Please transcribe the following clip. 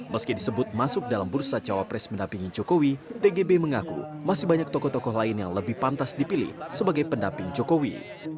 meski disebut masuk dalam bursa cawapres mendampingi jokowi tgb mengaku masih banyak tokoh tokoh lain yang lebih pantas dipilih sebagai pendamping jokowi